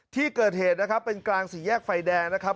ที่เกิดเหตุนะครับเป็นกลางสี่แยกไฟแดงนะครับ